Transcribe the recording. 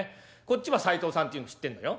こっちは斉藤さんっていうの知ってんのよ。